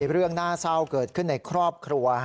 เรื่องน่าเศร้าเกิดขึ้นในครอบครัว